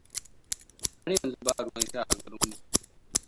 Har yanzu ba ruwan sha a garinmu.